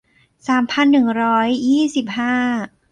สามพันหนึ่งร้อยยี่สิบห้า